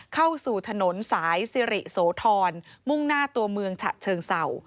เข้าสู่ถนนสายสิริโสธรมุ่งหน้าตัวเมืองฉะเชิงเศร้า